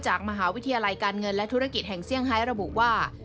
จากมหาวิทยาลัยการเงินและธุรกิจแห่งเซี่ยงไฮทระบุว่า